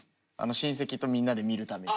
親戚とみんなで見るために。